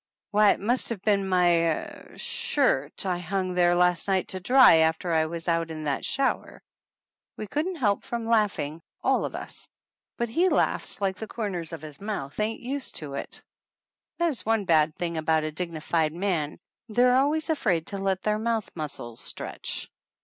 "Why, it must have been my er shirt I hung there last night to dry after I was out in that shower!" We couldn't help from laughing, all of us; but he laughs like the corners of his mouth ain't 199 THE ANNALS OF ANN used to it. That is one bad thing about a digni fied man they're always afraid to let their mouth muscles stretch.